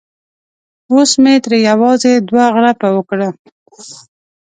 اوس مې ترې یوازې دوه غړپه وکړه.